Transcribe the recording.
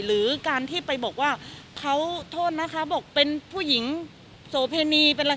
หรือการที่ไปบอกว่าเป็นผู้หญิงโสเพมี